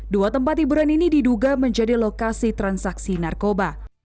dua tempat hiburan ini diduga menjadi lokasi transaksi narkoba